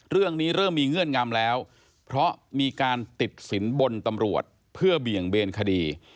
เรื่องนี้เริ่มมีเงื่อนงำแล้วเพราะมีการติดสินบนตำรวจเพื่อเบี่ยงเบนคดี